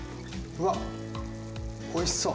うわっおいしそう！